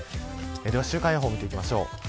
では週間予報見ていきましょう。